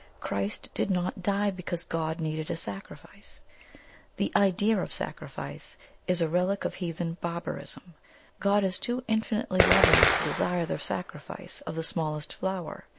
CHRIST DID NOT DIE BECAUSE GOD NEEDED A SACRIFICE. The idea of sacrifice is a relic of heathen barbarism; God is too infinitely loving to desire the sacrifice of the smallest flower.